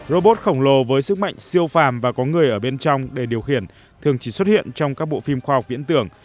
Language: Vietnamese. robot khổng lồ với sức mạnh siêu phàm và có người ở bên trong để điều khiển thường chỉ xuất hiện trong các bộ phim khoa học viễn tưởng